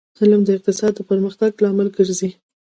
علم د اقتصادي پرمختګ لامل ګرځي